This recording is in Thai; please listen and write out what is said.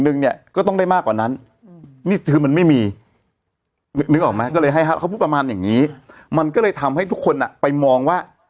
นึกออกมั้ยก็เลยให้เขาพูดประมาณอย่างนี้มันก็เลยทำให้ทุกคนอ่ะไปมองว่า